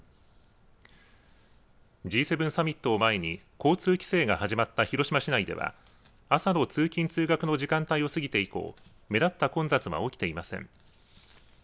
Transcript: Ｇ７サミットを前に交通規制が始まった広島市内では朝の通勤、通学の時間帯を過ぎて以降目立った混雑は起きていません。